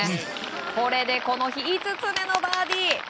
これでこの日、５つ目のバーディー。